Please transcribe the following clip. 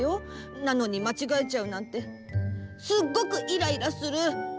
なのにまちがえちゃうなんてすっごくいらいらする。